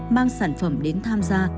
mang sản phẩm đến tham gia